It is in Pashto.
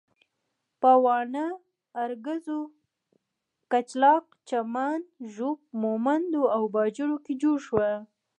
په واڼه، ارکزو، کچلاک، چمن، ږوب، مومندو او باجوړ کې جوړ شول.